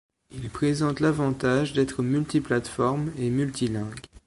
Il présente l'avantage d'être multiplateforme et multilingue.